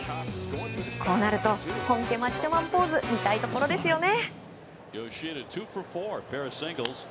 こうなると本家マッチョマンポーズ見たいところですよね。